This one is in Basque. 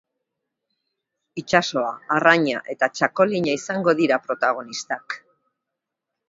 Itsasoa, arraina eta txakolina izango dira protagonistak.